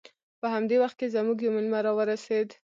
په همدې وخت کې زموږ یو میلمه راورسید